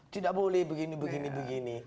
tidak boleh begini begini